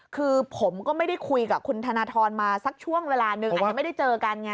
คือผมก็ไม่ได้คุยกับคุณธนทรมาสักช่วงเวลาหนึ่งอาจจะไม่ได้เจอกันไง